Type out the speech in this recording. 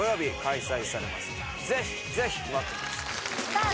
ぜひぜひ待ってますさあ